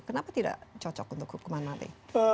kenapa tidak cocok untuk hukuman mati